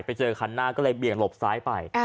ไปเจอคันหน้าก็เลยเบี่ยงหลบซ้ายไป